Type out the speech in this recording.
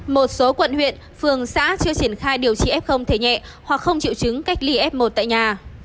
một số quận huyện phường xã chưa triển khai điều trị f thể nhẹ hoặc không chịu chứng cách ly f một tại nhà